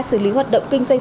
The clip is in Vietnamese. xử lý hoạt động kinh doanh